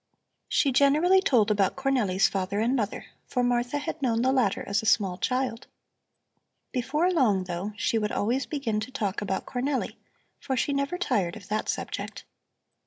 She generally told about Cornelli's father and mother, for Martha had known the latter as a small child. Before long, though, she would always begin to talk about Cornelli, for she never tired of that subject.